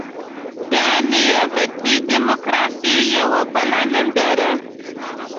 د نيابتي ډيموکراسۍ يوه بله ننداره.